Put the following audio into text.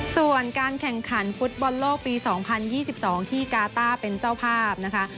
ส่วนการแข่งขันฟุตบอลโลกปี๒๐๒๒ที่กาต้าเป็นเจ้าภาพนะคะ